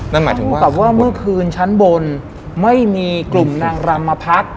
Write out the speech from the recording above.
นั่นหมายถึงว่าแต่ว่าเมื่อคืนชั้นบนไม่มีกลุ่มนางรำมาพัก